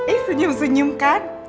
eh senyum senyum kan